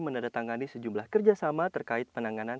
menandatangani sejumlah kerjasama terkait penanganan